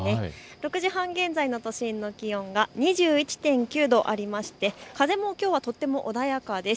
６時半現在の都心の気温が２１．９度ありまして風もきょうはとても穏やかです。